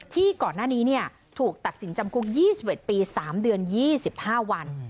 ที่ก่อนหน้านี้ถูกตัดสินจำคุก๒๑ปี๓เดือน๒๕วัน